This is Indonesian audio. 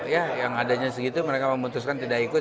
ya yang adanya segitu mereka memutuskan tidak ikut